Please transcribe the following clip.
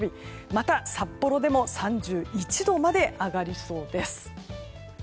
また、札幌でも３１度まで上がりそうです。